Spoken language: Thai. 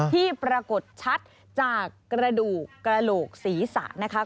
ที่ปรากฏชัดจากกระดูกกระโหลกศีรษะนะคะ